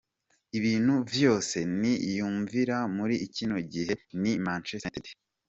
"Ibintu vyose niyumvira muri kino gihe ni Manchester United.